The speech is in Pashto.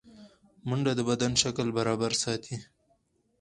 منډه د بدن شکل برابر ساتي